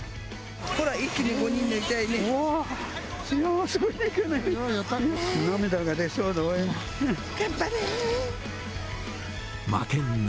ほら、一気に５人抜いたよね。